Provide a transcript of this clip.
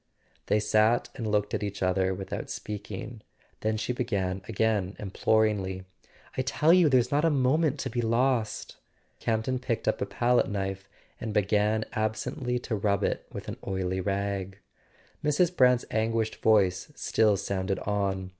They sat and looked at each other without speaking; then she began again imploringly: "I tell you there's not a moment to be lost! " Campton picked up a palette knife and began ab¬ sently to rub it with an oily rag. Mrs. Brant's anguished voice still sounded on.